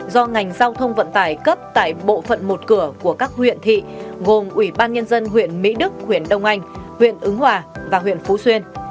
do ngành giao thông vận tải cấp tại bộ phận một cửa của các huyện thị gồm ủy ban nhân dân huyện mỹ đức huyện đông anh huyện ứng hòa và huyện phú xuyên